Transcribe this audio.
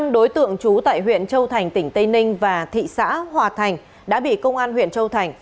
năm đối tượng trú tại huyện châu thành tỉnh tây ninh và thị xã hòa thành đã bị công an huyện châu thành